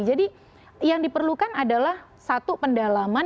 jadi yang diperlukan adalah satu pendalaman